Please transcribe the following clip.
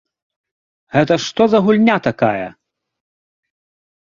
Гэта што за гульня такая?